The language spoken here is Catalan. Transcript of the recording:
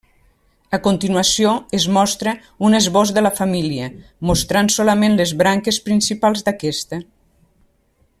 A continuació es mostra un esbós de la família, mostrant solament les branques principals d'aquesta.